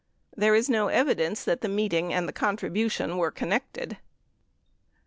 44 There is no evidence that the meeting and the contribution were connected.